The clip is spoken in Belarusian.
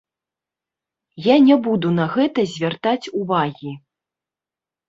Я не буду на гэта звяртаць увагі!